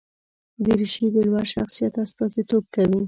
دریشي د لوړ شخصیت استازیتوب کوي.